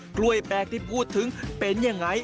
กล้วยแปลกที่พูดถึงเป็นยังไง